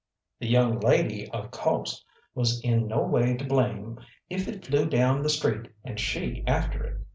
The young lady, of co'se, was in no way to blame if it flew down the street and she after it.